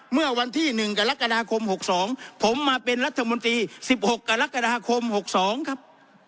เมื่อวันที่หนึ่งกรกฎาคมหกสองผมมาเป็นรัฐมนตรีสิบหกกรกฎาคมหกสองครับ